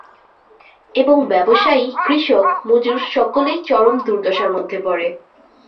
এবং ব্যবসায়ী, কৃষক, মজুর সকলেই চরম দুর্দশার মধ্যে পড়ে।